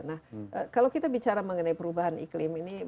nah kalau kita bicara mengenai perubahan iklim ini